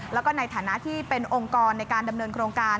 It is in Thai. แล้วก็ในฐานะที่เป็นองค์กรในการดำเนินโครงการ